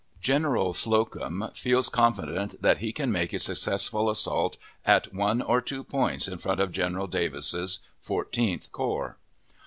General Slocum feels confident that he can make a successful assault at one or two points in front of General Davis's (Fourteenth) corps.